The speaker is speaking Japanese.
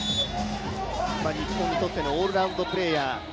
日本にとってのオールラウンドプレーヤー。